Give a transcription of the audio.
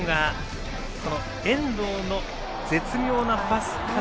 遠藤の絶妙なパスから。